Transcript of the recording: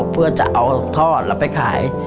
เพื่อจะเอาทอดแล้วไปขาย